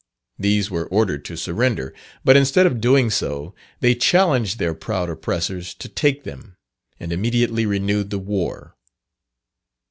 These were ordered to surrender; but instead of doing so, they challenged their proud oppressors to take them, and immediately renewed the war.